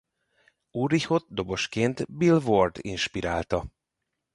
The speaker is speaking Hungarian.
Ulrichot dobosként Bill Ward inspirálta.